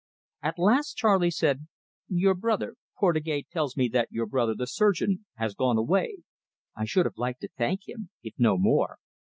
At last Charley said: "Your brother Portugais tells me that your brother, the surgeon, has gone away. I should have liked to thank him if no more."